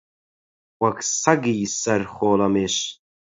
وەک سەگی سەر خۆڵەمێش